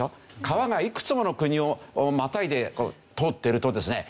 川がいくつもの国をまたいで通っているとですね